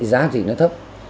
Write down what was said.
giá trị nó thấp